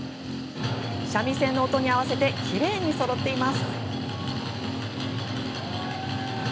三味線の音に合わせてきれいにそろっています。